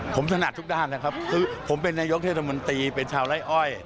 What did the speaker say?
ผมถนัดทุกด้านนะครับคือผมเป็นนายกเทศมนตรีเป็นชาวไล่อ้อย